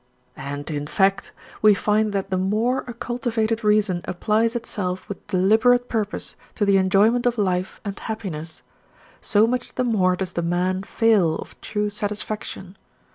And, in fact, we find that the more a cultivated reason applies itself with deliberate purpose to the enjoyment of life and happiness, so much the more does the man fail of true satisfaction.